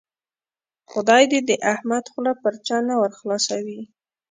خدای دې د احمد خوله پر چا نه ور خلاصوي.